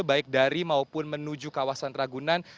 baik dari maupun menuju kawasan ragunan